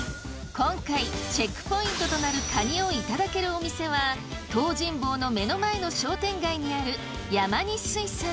今回チェックポイントとなるかにをいただけるお店は東尋坊の目の前の商店街にあるやまに水産。